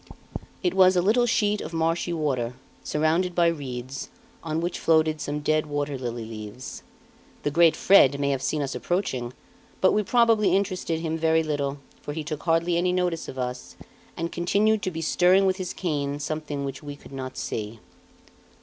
It was a little sheet of marshy water, surrounded by reeds, on which floated some dead water lily leaves. The great Fred may have seen us approaching, but we probably interested him very little, for he took hardly any notice of us and continued to be stirring with his cane something which we could not see.